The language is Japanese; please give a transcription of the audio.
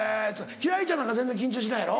輝星ちゃんなんか全然緊張しないやろ？